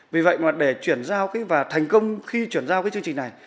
vì vậy mà để chuyển giao và thành công khi chuyển giao cái chương trình này